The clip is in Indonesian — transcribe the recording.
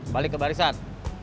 balik ke barisan